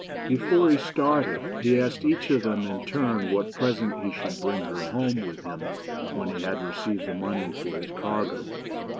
Before he started, he asked each of them in turn what present he should bring her home with him when he had received the money for his cargo.